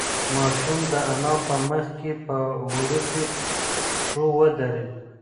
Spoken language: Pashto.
ماشوم د انا په مخ کې په وړوکو پښو ودرېد.